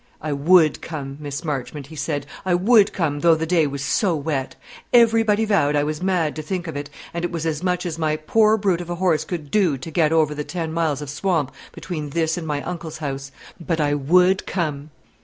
"I would come, Miss Marchmont," he said, "I would come, though the day was so wet. Everybody vowed I was mad to think of it, and it was as much as my poor brute of a horse could do to get over the ten miles of swamp between this and my uncle's house; but I would come!